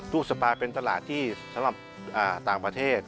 สปาเป็นตลาดที่สำหรับต่างประเทศ